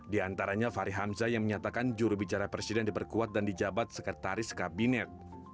di antaranya fahri hamzah yang menyatakan jurubicara presiden diperkuat dan dijabat sekretaris kabinet